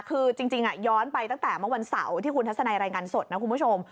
คือจริงย้อนไปตั้งแต่เมื่อวันเสาร์ที่คุณทัศนัยรายงานสดนะคุณผู้ชม